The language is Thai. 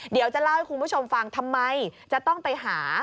เดี๋ยวจะเล่าให้คุณผู้ชมฟังทำไมจะต้องไปหา